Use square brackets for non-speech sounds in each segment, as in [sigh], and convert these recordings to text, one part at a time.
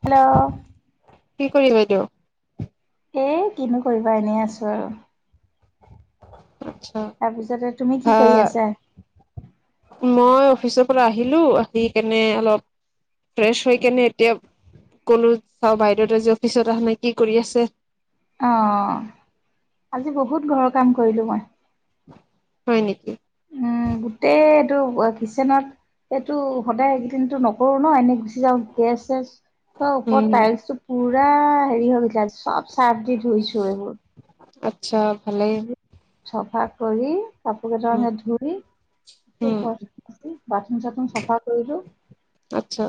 Hello কি কৰিম এইটো? এই কিনো কৰিবা এনেই আছো আৰু। আচ্ছা তাৰপিছতে তুমি কি ভা কৰি আছা। মই অফিচৰ পৰা আহিলো আহি কেনে অলপ ফ্ৰেছ হৈ কেনে এতিয়া কলো চাও বাইদেউত আজি অফিচত অহা নাই কি কৰি আছে। অ আজি বহুত ঘৰৰ কাম কৰিলো মই। হয় নেকি? উম গোটেই এইটো কিচেনত এইটো সদায় এইকেইদিনতো নকৰো ন এনেই গুচি যাওঁ গেছ চেছ ত ওপৰত উম তাইলছতো পুৰা হেৰি হৈ গৈছিলে চব চাৰ্ভ দি ধুইছো এইবোৰ অ আচ্ছা ভালেই ধুই চফা কৰি কাপো কেইটা উম সে ধুই দি গোটেই উম ঘৰ চ মুচি বাথৰুম চাথৰুম চফা কৰিলো। আচ্ছা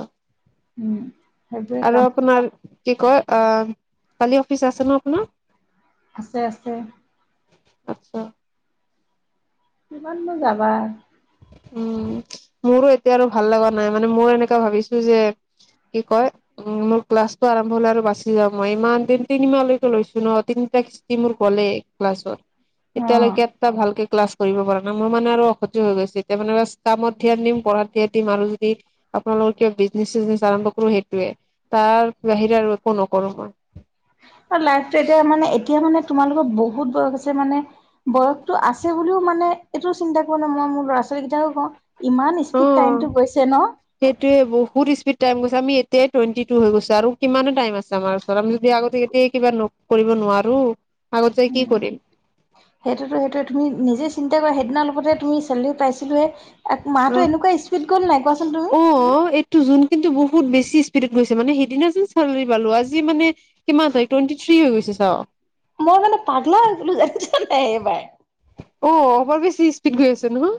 উম সেইবোৰে কাম আৰু আপোনাৰ কি কয় অ কালি অফিচ আছে ন আপোনাৰ? আছে আছে। আত্চ্ছা। কিমাননো যাবা। উম মোৰো এতিয়া আৰু ভাল লগা নাই মানে মই এনেকাে ভাবিছো যে কি কয় উ মোৰ ক্লাছটো আৰম্ভ হলে আৰু বাছি যাওঁ মই ইমান তি তিনিমাহলৈকে লৈছো ন তিনিটা কিস্তি মোৰ গ'লেই ক্লাছত। অ এতিয়ালৈকে এটা ভালকে ক্লাছ কৰিব পৰা নাই মোৰ মানে আৰু অসতি হৈ গৈছে। মানে কামত ধ্যান দিম পঢ়াত ধ্যান দিম আৰু যদি আপোনালোকৰ কিবা বিজনেচ চিজনেচ আৰম্ভ কৰো সেইটোৱে তাৰ বাহিৰে আৰু একো নকৰো মই। লাইফটো এতিয়া মানে এতিয়া মানে তোমালোকৰ বহুত বয়স আছে মানে বয়সতটো আছে বুলিও মানে এইটোও চিন্তা কৰো ন মই মোৰ ল'ৰা ছোৱালী কেইটাকে কওঁ। ইমান অ স্পীড টাইমটো গৈছে ন। সেইটোয়ে বহুত স্পীড টাইম গৈছে আমি এতিয়াই টুৱেণ্টি টু হৈ গৈছে আৰু কিমান টাইম আছে আমাৰ ওচৰত আমি যদি আগতে কে কিবা নক কৰিব নোৱাৰো। আগত যাই উ কি কৰিম সেইটোতো সেইটোৱে তুমি নিজে চিন্তা কৰা সেইদিনাৰ লগতে তুমি চালিও পাইছ- ৰোৱে আহ অ তুমি একটো জোন কিন্ত ব- বহুত বেছি স্পীডত গৈছে মানে সেইদিনা যে চালি পালো আজি মানে। কিমানা টুৱেট থ্ৰী হৈ গৈছ- [unintelligible] মই মানে পাগলা হৈ গলোঁ জানিছা নাই এইবাৰ। অ' অপাৰ বেছি স্পীড গৈ আছে নহ?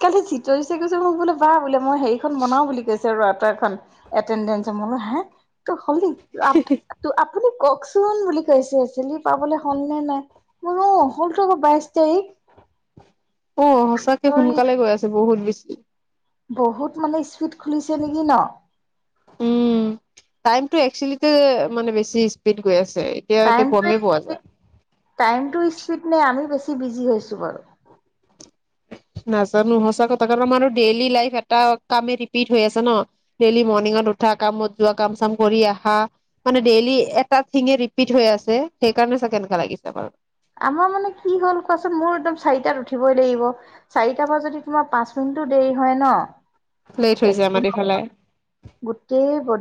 কালি [unintelligible] কৈছে মোক বোলে বা বোলে মই হেৰিখন বনাওঁ বুলি কৈছ [unintelligible] এটেন্দেন্স। মই বুলো হা [unintelligible] [unintelligible] আপুনি কওক। চোন বুলি কৈছে চেলি পাবলৈ হ'ল নে নাই মোৰ অ হল থ আক বাইচ তাৰিখ। অ সঁচাক এ সোনকালে গৈ আছে বহুত। বেছি। বহুত মানে স্পীড খুলিছে নেকি ন? টাইম টো একচেলি টো মানে বেছি স্পীড গৈ আছে। এতিয়া এতিয়া টাইমটো গমেই পোৱা যায় স্পিড, টাইমটো স্পিড নে আমি বেছি ছি বিজি হৈছো বাৰু। নাজানো সচা কথা কাৰণ আমাৰো ডেইলি লাইফ এটা কামে ৰিপিট হৈ আছে ন', ডেইলি মৰ্ণিঙত উঠা, ‌কামত যোৱা, কাম চাম কৰি আহা। মানে ডেইলি এটা‌ থিংএ‌ ৰিপিট হৈ আছে সেইকাৰণে ছাগে এনকা লাগিছে আমাৰ। আমাৰ মানে কি হ'ল কোৱাচোন মোৰ একদম চাৰিটাত উঠিবই লাগিব, চাৰিটাৰ পৰা যদি তোমাৰ পাঁচ মিনিটো দেৰি হয় ন লেট হৈ যাই একো আমাৰ ইফালে।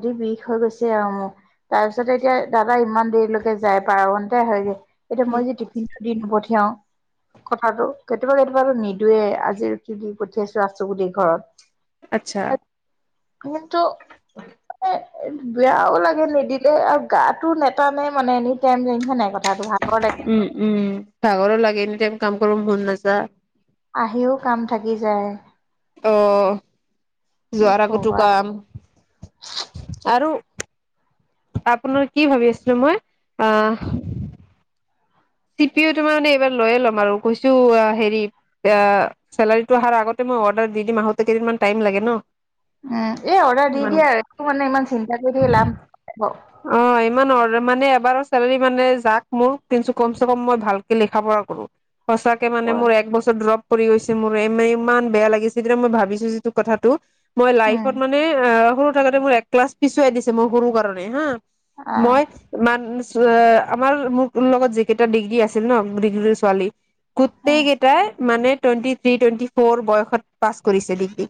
ডি বিষ হৈ গৈছে আৰু মোৰ তাৰপিছতে এতিয়া দাদা ইমান দেৰিলৈকে যায় [unintelligible] [unintelligible] হয়যে, এতিয়া মই যি‌ [unintelligible] [unintelligible] দি নপঠিয়াও। কথাটো, কেতিয়াবা কেতিয়াবাতো নিদোৱে আজি কি দি পঠিয়াইছো আছো বুলি ঘৰত। আচ্ছা। কিন্তু এ বেয়াও লাগে নিদিলে আৰু গাতো নেতানে মানে এনেই [unintelligible] কথাটো [unintelligible] [unintelligible] লাগে। উম উম, ভাগৰো লাগে এনি টাইম কাম কৰব মন নাযা আহিও কাম থাকি যায়। অহ। কি যোৱাৰ আগতো কবা। কাম। আৰু আপোনাৰ কি ভাবি আছিলো মই। আহ। টি পি ইউ টো মানে এইবাৰ লৈয়ে লম আৰু কৈছোঁ‌ আ হেৰি আ চেলাৰীটো আহাৰ আগতে মই অৰ্ডাৰ দি দিম, আহোতে কেইদিনমান টাইম লাগে ন। উম, এই অৰ্ডাৰ দি মানে দিয়া একোটো হোৱা নাই ইমান চিন্তা কৰি থাকি লাভ ব। মান অৰ্ডাৰ মানে এবাৰৰ চেলাৰী মানে যাক মোৰ তিনচু কম চে কম মই ভালকে লিখা পঢ়া কৰোঁ। সঁচাকে মানে মোৰ এক বছৰ ড্ৰপ কৰি গৈছে। মোৰ ইমান বেয়া লাগিছে, যেতিনা মই ভাবিছো যিটো কথাটো মই উম লাইফত মানে অ, সৰু থাকোতে মোৰ এক ক্লাছ পিছুৱাই দিছে মই সৰু কাৰণে হা। আহ মই মান, আমাৰ মোৰ লগত যে, কেইটা ডিগ্ৰী আছিল ন, ডিগ্ৰীৰ ছোৱালী গোটেই কেইটাই মানে টুৱেণ্টি থ্ৰী, টুৱেণ্টি ফ'ৰ বয়সত পাছ কৰিছে ডিগ্ৰী।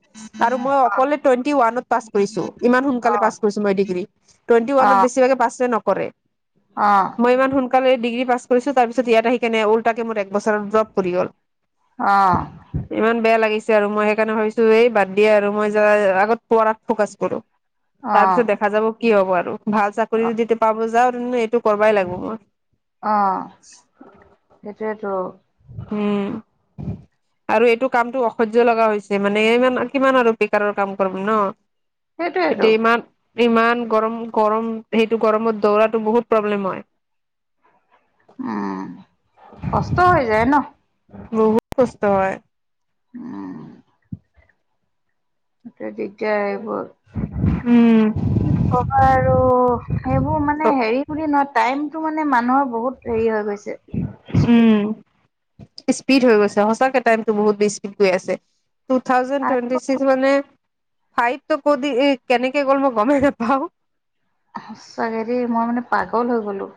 আৰু মই অকলে টুৱেটি ৱানত পাছ কৰিছো। ইমান অ সোনকালে পাছ কৰিছো মই ডিগ্ৰী টুৱেটি অ ওৱান বেছিভাগ পাছ ন, কৰে। অ মই ইমান সুনকা, কালে ডিগ্ৰী পাছ কৰিছো তাৰ পিছত ইয়াত আহি কেনে উলটাকে মোৰ এক বছৰত ড্ৰপ পৰি গ'ল। অহ। ইমান বেয়া লাগিছে আৰু মই সেইকাৰণে ভাবিছো এই বাদ দিয়া আৰু মই আগত প ফকাচ কৰো। তাৰ অ', পিছত দেখা যাব। কি হ'ব আৰু। ভাল চাকৰি অ', যদি পাব যাওঁ। এইটো কৰিবাই লাগিব মই। অ সেইটোৱেটো। উম আৰু এইটো কামটো অসহ্য লগা হৈছে। মানে ইমান কিমান আৰু বেকাৰৰ কাম কৰিম ন। [unintelligible] সেইটোৱেটো। এতিয়া ইমান ইমান গৰম গৰম, সেইটো গৰমত দৌৰাতো বহুত প্ৰব্লেম হয়। উম, কষ্ট হৈ যায় ন? বহুত কষ্ট হয়। উম। সেইটোৱে দিগদাৰ আৰু এইবোৰ। উম। কি কবা আৰু সেইবোৰ মানে হেৰি কৰি ন টাইম, টো মানে মানুহৰ, বহুত হেৰি হৈ গৈছে স্পীড। উম স্পীড হৈ গৈছে, সঁচাকে টাইমটো বহুত স্পীড গৈ আছে। টু থাউজেন্ড টুৱেণ্টি আৰু ছিক্স মানে, ফাইতটো ক'দি কেনেকে গ'ল মই গমেই নাপাওঁ [unintelligible] সঁচাকে দেই মই মানে পাগল হৈ গলো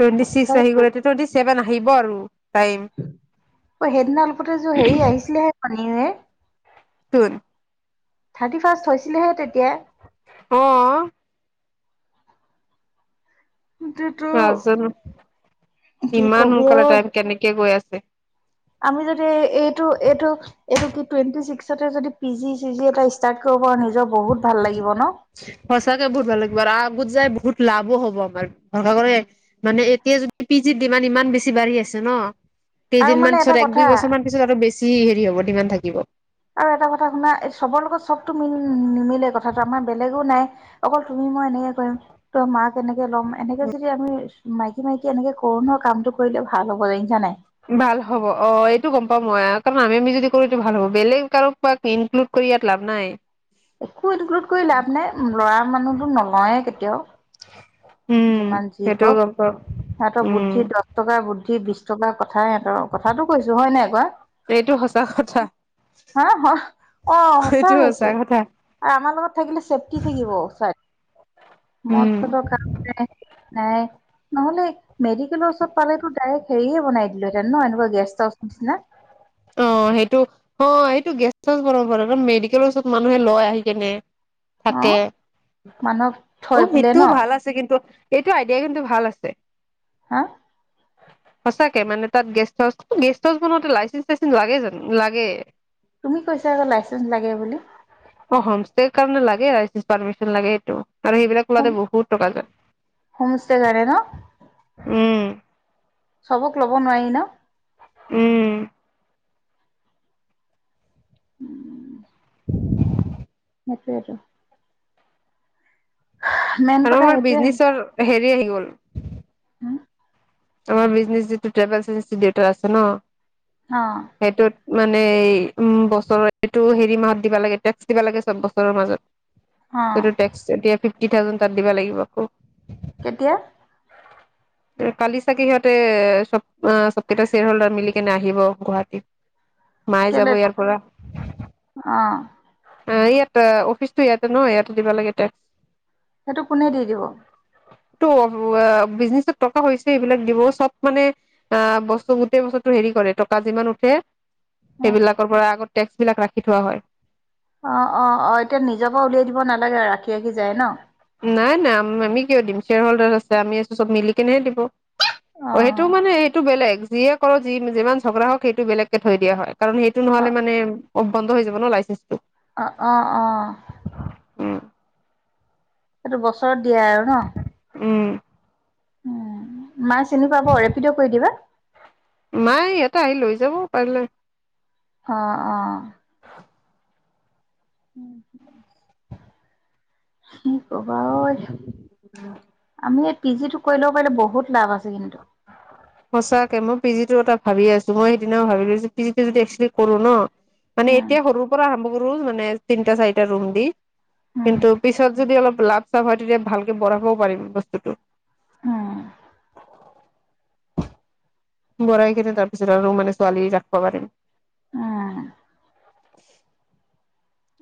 টোৱেণ্টি ছিক্স আহি সঁচাকে টুৱেণ্টি চেভেন [unintelligible] আহিব আৰু টাইম অ সেইদিনা অলপতে অ হেৰি আহিছিলে হে পানী চোন থাৰ্টি ফাৰ্ষ্ট হৈছিলেহে তেতিয়া অ এইটোতো নাজানো কি ইমান সোন কবি কাল ঐ টাইম কেনেক গৈ আছে কে আমি যদি এইটো এইটো এইটো কি টুৱেণ্টি ছিক্স যদি পি জি চি জি এটা ষ্টাৰ্ট কৰিব আৰু নিজৰ বহুত ভাল লাগিব ন বহু যাই বহুত লাভো হ'ব আমাৰ ভৰা মানে এতিয়া য পিজিত ডিামান ইমান বেছি বাঢ়ি আছে ন আৰু কেইদিনমান মানে এটা পিছত এক দুই কথা বছৰমান পিছত আৰু বেছি যি হেৰি হ'ব ডিমান থাকিব আৰু এটা কথা শুনা এই চবৰ লগত চবতটো মিল নিমিলে কথাটো আমাৰ বেলেগো নাই অকল তুমি মই এনেকে কৰিম ত মাক এনেকে লম এনেকে যদি আমি মাইকী মাইকী এনেকে কৰো ন কামটো কৰিলেও ভাল হ'ব জানিচ নাই ভাল হ'ব অ এইটো গম পাওঁ মই কাৰণ আমি আমি যদি কৰো ভাল হ'ব বেলেগ কাৰো ক ইনক্লুড কৰি ইয়াত লাভ নাই একো ইনক্লুড কৰি লাভ নাই ল'ৰা মানুহতো নলয়ে কে তেওঁ যিমান যি সেইটোও কওক গম পাওঁ সিঁহতৰ উম বুদ্ধি দহ টকাৰ বুদ্ধি সি বিশ টকাৰ কথা কথা এত কথাটো কৈছো হয় নাই এইটো সঁচা কথা কোৱা হা অ এইটো সঁচা হৈছো কথা আৰু আমাৰ লগত থাকিলে চছেফটি থাকিব চাই উম মতটো খাই [unintelligible] নাই নহলে মেডিকেলৰ ওচৰত পালো ডাইৰেক্ট হেৰিয়ে বনাই দিলো হেঁতেন ন এনেকুৱা গেষ্ট হাউছ নিচিনা অ সেইটো অ সেইটো গেষ্ট হাউচ বনাব পাৰেম মেডিকেল ওচৰ মানুহে লয় আহি কেনে অ থাকে মানুহক উ থৈ পেলাই মৃত্যু ন ভাল আছে কিন্তু এইটো আইডিয়া কিন্তু ভাল আছে হা সঁচাকে মানে তাত গেষ্ট হাউচ গেষ্ট হাউচ বনতে লাইচেন্স লাইচেন্স লাগে জানো লাগে তুমি কৈছা আকৌ লাইচেন্সৰ লাগে বুলি অ হোম ষ্টেৰ কাৰণে লাগে লাইচেন্সৰ পাৰ্মিচন লাগে এইটো আৰু সেইবিলাক হোম ওলাতে বহুত টকা যায় হোম ষ্টে কাৰণে ন উম চবক ল'ব নোৱাৰি ন উম উম [unintelligible] [inaudible] [unintelligible] সেইটোৱে টো আৰু কথা আমাৰ সেইটোয়ে বিজনেচৰ হেৰি আহি গ'ল আমাৰ বিজনেছ যিটো ট্ৰেভেলছ এজেঞ্চি দেউতাৰ আছে ন অ সেইটোত মানে উম বছৰ এইটো হেৰি মাহত দিবা লাগে টেক্স দিবা লাগে চব বছৰৰ মাজত। অ এইটো টেক্স এতিয়া ফিফটিথাউজেণ্ড তাত দিবা লাগিব আকৌ কেতিয়া [unintelligible] কালি ছাগে সিহঁতে চব চবকেইটা শ্বেয়ৰ হল্ডাৰ মিলি কেনে আহিব গুৱাহাটীত। মায়ে যাব কেলে ইয়াৰ পৰা। অ অ এইয়াত অফিচতো ইয়াতে ন ইয়াতে দিব লাগে টে সেইটো কোনে দি দিব? টো বিজনেচত হৈছে সেইবিলাক দিব, চব মানে অ বস্তু গোটেই বছৰটো হেৰি কৰে টকা যিমান উঠে অ সেইবিলাকৰ পৰা আগত টেক্স বিলাক ৰাখি থোৱা হয়। অ অ অ এতিয়া নিজৰ পৰা উলিয়াই দিব নালাগে ৰাখি ৰাখি যায় ন? নাই নাই আমি কিয় দিম শ্বেয়াৰ হল্ডাৰ আছে আমি আছো চব মিলি কেনেহে দিব, অ সেইটো মানে সেইটো বেলেগ যিয়ে কৰ যি যিমান ঝগৰা হওক সেইটো বেলেগকে থৈ দিয়া হয় কাৰণ সেইটো অ নহ'লে মানে অ বন্ধ হৈ যাব ন লাইচেঞ্চটো। অহ অহ অহ উম সেইটো বছৰত দিয়ে আৰু ন? উম উম মায়ে চিনি পাব ৰেপিড কৰি দিবা। মায়ে ইয়াতে আহি লৈ যাব পাৰিলে অ অ উম হুম [inaudible] হোম ৰবা ঐ আমি পি জিটো কৰি লব পাৰিলে বহুত লাভ আছে কিন্তু সঁচাকে মই পিজিটো এটা ভাবি আছো মই সেইদিনাও ভাবিলৈছোঁ পিজিটো যদি একচুৱেলি কৰো ন মানে উম এতিয়া সৰুৰ পৰা বহুত ৰুম বনাইআছে তিনিটা চাৰিটা ৰুম দি উম কিন্তু পিছত যদি অলপ লাভ চব হয় তেতিয়া ভাল কে বৰাবও পাৰিম বস্তুটো বৰাই কেনে তাৰপিছত আৰু মে ছোৱালী ৰাখিব পাৰিম। উম।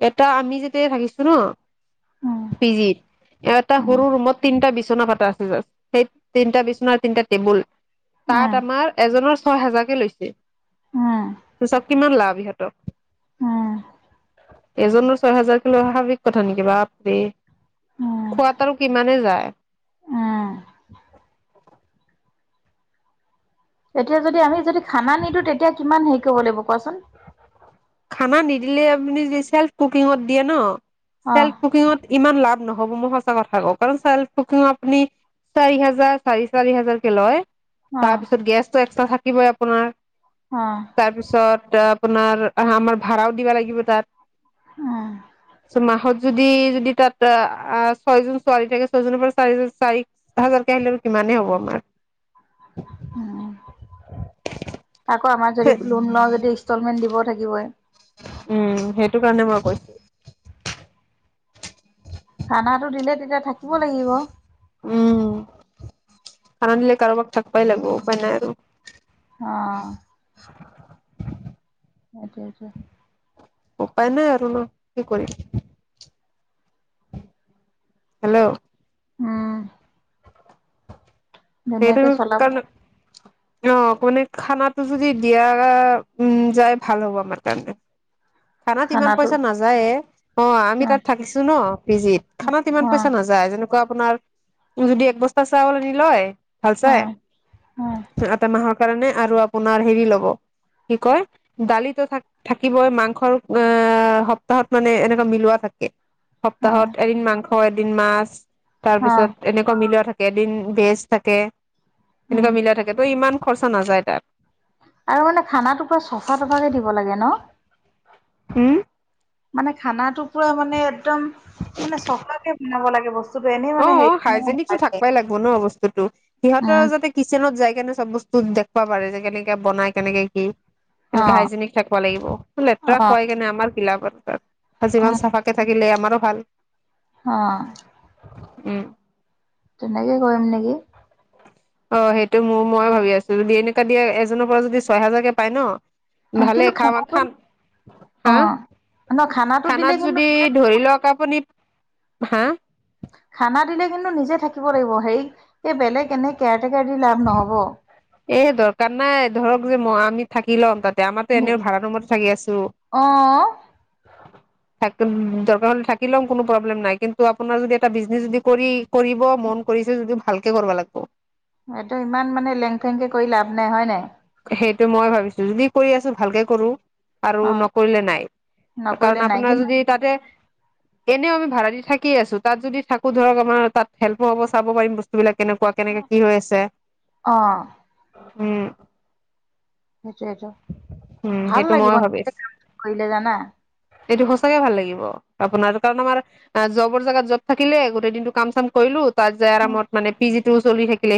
এটা আমি যেতিয়া থাকিছো ন। উম পিজিত এটা উম সৰু ৰুমত তিনটা বিচনা পাতা আছে সেই তিনটা বিচনা তিনটা টেবুল উম উম তাত আমাৰ এজনৰ। ছয় হজাৰকে লৈছে। উম। ত চাওক কিমান লাভ ইহঁতক। উম এজনৰ ছয় হাজাৰক লৈ স্বাভাৱিক কথা নেকি বাপেই উম খোৱাত আৰু কিমানে যায়। উম এতিয়া যদি আমি যদি। খানা নিদো তেতিয়া কিমান হে। কব দিব কোৱাচোন। খানা নিদিলে আপুনি যদি চেল্ফ কুকিঙত দিয়ে ন। অ চেল্ফ কুকিঙত ইমান লাভ। নহ'ব মই সঁচা কথা কওঁ কাৰণ চল্ফ কুকিং আপুনি চাৰি হাজাৰ চাৰি চাৰি হাজাৰ কে লয়। অ তাৰপিছত গেছটো এক্সতা থাকে। কিবা আপোনাৰ। অ তাৰপিছত। আপোনাৰ অ আমাৰ ভাড়াও দিবা লাগিব তাত। উম মাহত যদি যদি তাত ছয়জন ছোৱালী থাকে ছয়জনৰ পৰা চাৰিজন চাৰি হাজাৰকে আহিলে কিমানে হ'ব আমাৰ উ আকৌ আমাৰ যদি লোন লওঁ যদি ইনষ্টলমেন্ট দিব থাকিবই। উম সেইটো কাৰণে মই কৈছো। খানাতো দিলে। তেতিয়া থাকিব লাগিব। আনিলে কাৰোবাক থাকিবাই লাগিব উপায় নাই আৰু। আহ। [unintelligible] আতা আতছা। উপায় নাই আৰু ন কি কৰিম। হেল্ল' উম ধুনীয়াকে চলাব। আহ মানে খানাটো যদি দিয়াৰ উম যায় ভাল হ'ব আমাৰ কাৰণে। খানাত ইমান খানাটো পইচা নাযায়ে এ আমি অ', তাত থাকিছো ন পিজিত অ', খানাত ইমান পইচা অ', নাযায় যে। ত আপোনাৰ যদি এক বস্তা চাউল নি লয়। ভালচাই অ', আ ম। কাৰণে আৰু আপোনাৰ হেৰি লব কি কয় দালিতো থ থাকিবই মাংসৰ আহ সপ্তাহত মানে এনেকুৱা মিলোৱা থাকে। সপ্তাহত অ', এদিন মাংস। ছ এদিন মাছ। তাৰ পিছত অ', এনেকুৱা মিলি থাকে। কেইদিন বেছ। তাকে। এনেকোৱা উম, মিলাই থাকে তই ইমান খৰচা নাযায় তাত। আৰু মানে খানাটো পুৰা চফা তফাকে দিব লাগে ন। হম। মানে খানাটো পুৰা মানে একদম, মানে চফাকে বনাব লাগে বস্তু। অ হাইজেনিক টো থাকবই লাগিব ন বস্তুতো, সিহঁতৰ উম, যদি কিচেনত যাই কেনে চব বস্তু দেখুৱা পাৰে যে কেনেকে বনাই কেনেকে কি এনে অ', হাইজেনিক থাকব লাগিব তো লেতেৰা অ', হয় কেনে আমাৰ কিলাপত অ। তই যিমান চাফাক কে থাক কিলে আমাৰো ভাল। হ। উম। তেনেকে কৰিম নেকি। অ সেইটো মোৰ মই ভাবি আছো যদি এনেকোৱা দিয়া এজনৰ পৰা যদি ছয় হাজাৰকে পায় ন ভালে কিন্তু খাওঁ আম খানাটো খান, অ হা ন খানাটো দিলে খানাত কিন্তু যদি নিজে ধৰি লওক আপুনি। হা। খানা দিলে কিন্তু নিজে থাকিব লাগিব হেই এই বেলেগ এনে কেয়াৰ টেকাৰ দি লাভ নহব। এ দৰকাৰ নাই ধৰক যে ম আমি থাকি লওঁ তাত তে আমাতো এনেও ভাড়া ৰুমতে থাকি আছো। অ থাক দৰকাৰ হলে থাকি লম কোনো প্ৰব্লেম নাই কিন্তু আপোনাৰ যদি এটা বিজনেছ যদি কৰি কৰিব মন কৰিছে যদি ভাল তাকে কৰবা লাগব। এইটো ইমান মানে। লেং ফেংকে কৰি লাভ নাই হয় নাই। সিটো মই ভাবিছো যদি কৰি আছো ভালকে কৰো। আৰু অ নকৰিলে নাই, কাৰণ নকৰিলে নাই আপোনাৰ কিন্তু যদি তাতে এনেও আমি ভাড়া দি থাকিয়ে আছো তাত যদি থাকো ধৰক আমাৰ তাত হেল্পো হ'ব চাব পাৰিম বস্তুবিলাক। কেনেকোৱা কেনেক কি হৈ আছে। অ উম। সেইটো সেইটো উম ভাল সেইটো মই লাগিব ভাবিছো কাম কৰিলে, জানা? এইটো সঁচাকে ভাল লাগিব, আপোনাৰ কাৰণ আমাৰ জবৰ জেগাত জব থাকিলে গোটেই দিনটো কাম চাম কৰিলো ত অ আৰামত মানে পি জি চলি থাকিলে।